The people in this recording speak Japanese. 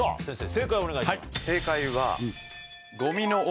正解お願いします。